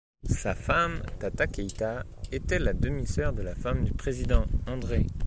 Sa femme, Tata Keïta, était la demi-sœur de la femme du président, Andrée.